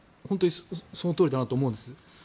本当にそのとおりだなと思うんです。